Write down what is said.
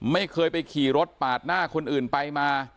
ไม่เคยไปขี่รถปาดหน้าคนอื่นไปมา